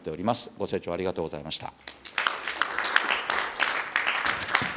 ご清聴ありがとうございました。